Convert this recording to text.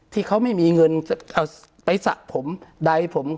ที่เขาไม่มีเงินเอาไปสระผมใดผม